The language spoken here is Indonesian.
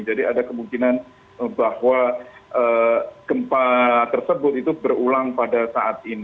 jadi ada kemungkinan bahwa gempa tersebut itu berulang pada saat ini